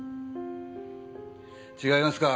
違いますか？